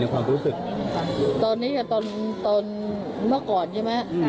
ความรู้สึกตอนนี้กับตอนเมื่อก่อนใช่ไหม